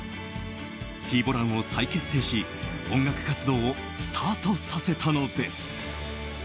Ｔ‐ＢＯＬＡＮを再結成し音楽活動をスタートさせたのです。